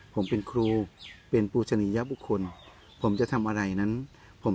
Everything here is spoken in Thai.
ผมเป็นครูเป็นปูสนิยบุคคลผมจะทำอะไรนั้นผม